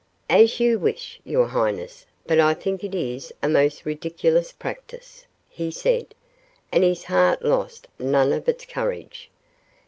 "As you wish, your highness, but I think it is a most ridiculous practice," he said, and his heart lost none of its courage.